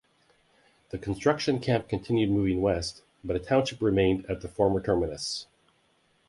The construction camp continued moving west, but a township remained at the former terminus.